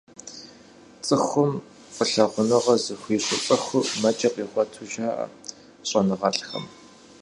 Цӏыхум фӏылъагъуныгъэ зыхуищӏыну цӏыхур, мэкӏэ къигъуэту жаӏэ щӏэныгъэлӏхэм.